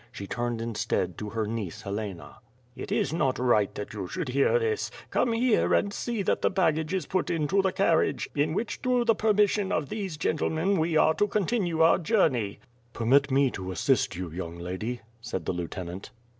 She turned instead to her neice Helena. "It is not right that you should' hear this. Come here, and see that the baggage is put into the carriage, in which through the pirmission of these gentlemen, we are to con tinue our journey." "Permit me to assist you, young lady," said the lieutenant.